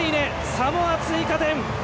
サモア、追加点！